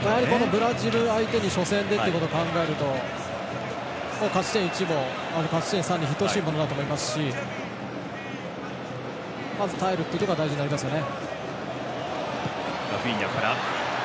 ブラジル相手に初戦でということを考えると勝ち点１も勝ち点３に等しいものだと思いますしまず耐えるっていうのが大事になりますよね。